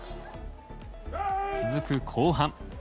続く後半。